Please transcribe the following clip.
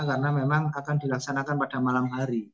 karena memang akan dilaksanakan pada malam